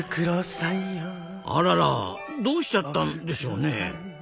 あららどうしちゃったんでしょうね？